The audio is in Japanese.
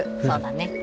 そうだね